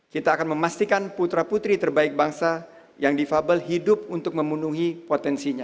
kita akan memastikan putra putri terbaik bangsa yang difabel hidup untuk memenuhi potensinya